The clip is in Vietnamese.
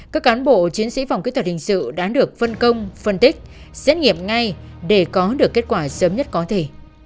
các cán bộ chiến sĩ phòng kỹ thuật hình sự đã được phân công phân tích xét nghiệm ngay để có được kết quả sớm nhất có thể